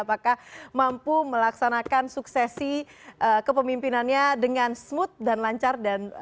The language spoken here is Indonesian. apakah mampu melaksanakan suksesi kepemimpinannya dengan smooth dan lancar